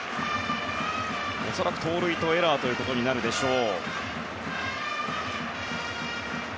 恐らく盗塁とエラーとなるでしょう。